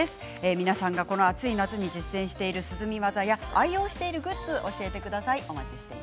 皆さんがこの暑い夏に実践している涼み技や愛用しているグッズを教えてください。